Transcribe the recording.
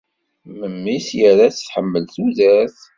Memmi-s yerra-tt tḥemmel tudert.